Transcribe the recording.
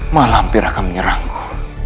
mak lampir akan menyerangku